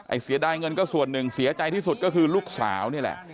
เสียดายเงินก็ส่วนหนึ่งเสียใจที่สุดก็คือลูกสาวนี่แหละ